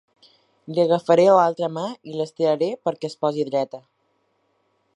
Li agafaré l'altra mà i l'estiraré perquè es posi dreta.